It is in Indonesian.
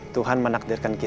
tuhan menakdirkan aku